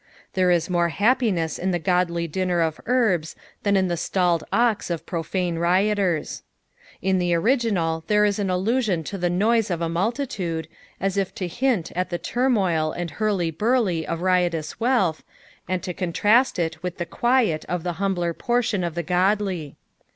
There is more happiness in the godly dinner of herbs than in the stalled ox of profane rioters. In the original there is an allusion to the noise of a multitude, as if to hint at the turmoil and hurly burly of riotous wealth, and to contrast it with the quiet of the humbler portion of the godly.